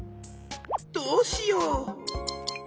どうしよう？